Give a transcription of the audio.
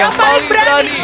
yang paling berani